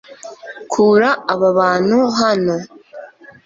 Kura aba bantu hano